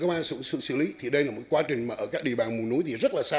các ba sự xử lý thì đây là một quá trình mà ở các địa bàn mùa núi thì rất là xa